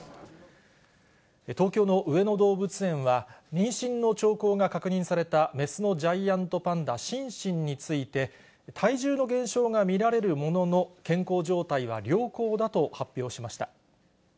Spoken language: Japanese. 東京の上野動物園は、妊娠の兆候が確認された雌のジャイアントパンダ、シンシンについて、体重の減少が見られるものの、健康状態は良好だと発表しました。